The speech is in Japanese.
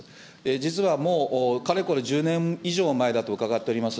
実はもう、かれこれ１０年以上前だと伺っております。